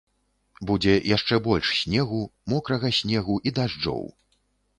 Будзе яшчэ больш снегу, мокрага снегу і дажджоў.